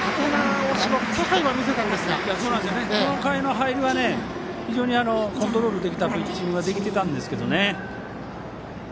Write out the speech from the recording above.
この回の入りは非常にコントロールできたピッチングができていたんですが。